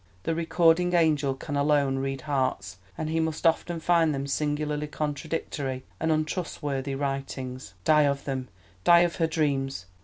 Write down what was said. The Recording Angel can alone read hearts, and he must often find them singularly contradictory and untrustworthy writings. Die of them, die of her dreams!